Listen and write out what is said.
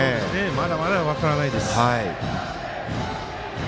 まだまだ、分からないです。